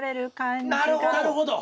なるほど。